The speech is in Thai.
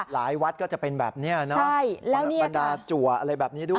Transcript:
วัดก็จะเป็นแบบนี้เนอะเปิดบรรดาจัวอะไรแบบนี้ด้วย